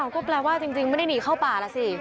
ก็แปลว่าจริงไม่ได้หนีเข้าป่าแล้วสิ